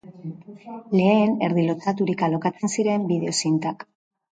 Lehen, erdi lotsaturik, alokatzen ziren bideo zintak.